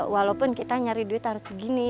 walaupun kita nyari duit harus segini